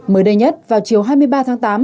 mới đây nhất vào chiều hai mươi ba tháng tám